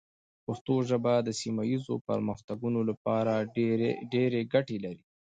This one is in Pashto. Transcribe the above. پښتو ژبه د سیمه ایزو پرمختګونو لپاره ډېرې ګټې لري.